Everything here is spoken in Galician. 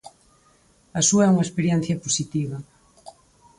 A súa é unha experiencia positiva.